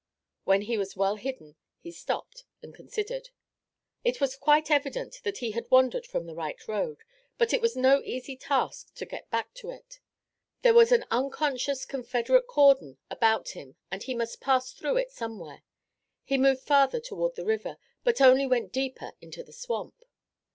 When he was well hidden he stopped and considered. It was quite evident that he had wandered from the right road, but it was no easy task to get back into it. There was an unconscious Confederate cordon about him and he must pass through it somewhere. He moved farther toward the river, but only went deeper into the swamp.